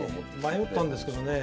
迷ったんですけどね